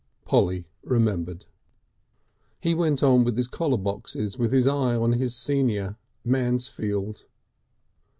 Polly remembered. He went on with his collar boxes with his eye on his senior, Mansfield.